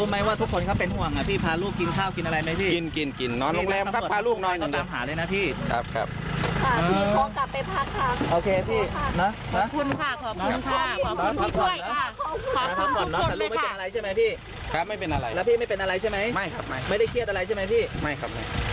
ไม่ค่ะเกลียดกลับมาเร็วค่ะ